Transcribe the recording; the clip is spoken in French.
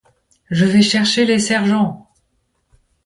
Je vais chercher les sergents.